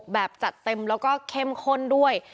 แบบจัดเต็มแล้วก็เข้มข้นด้วย